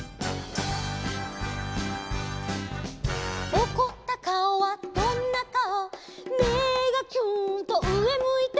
「おこったかおはどんなかお」「目がキューンと上向いて」